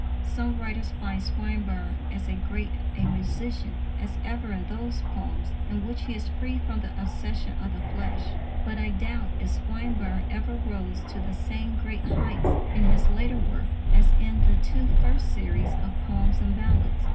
Some writers find Swinburne as great a magician as ever in those poems in which he is free from the obsession of the flesh. But I doubt if Swinburne ever rose to the same great heights in his later work as in the two first series of _Poems and Ballads.